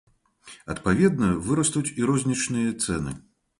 Адпаведна вырастуць і рознічныя цэны.